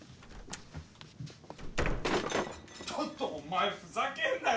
・・ちょっとお前ふざけんな。